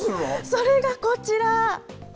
それがこちら。